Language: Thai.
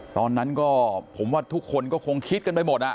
ตอนนั้นก็ผมว่าทุกคนก็คงคิดกันไปหมด